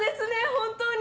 本当に。